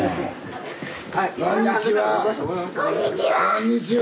こんにちは。